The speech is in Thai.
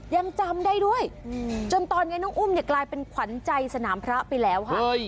ยังจำได้ด้วยจนตอนนี้น้องอุ้มเนี่ยกลายเป็นขวัญใจสนามพระไปแล้วค่ะ